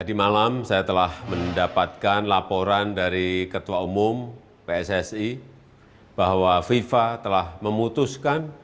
tadi malam saya telah mendapatkan laporan dari ketua umum pssi bahwa fifa telah memutuskan